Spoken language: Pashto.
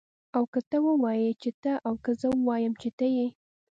او که ته ووايي چې ته او که زه ووایم چه ته يې